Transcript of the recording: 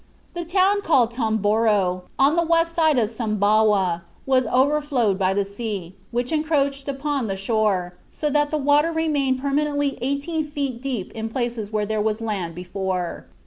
"The town called Tomboro, on the west side of Sumbawa, was overflowed by the sea, which encroached upon the shore, so that the water remained permanently eighteen feet deep in places where there was land before."